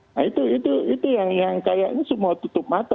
nah itu yang kayaknya semua tutup mata